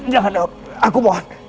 jangan aku mohon